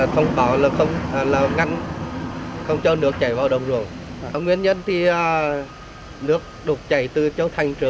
thông báo là không cho nước chảy vào đông rồ nguyên nhân thì nước đục chảy từ châu thành trở về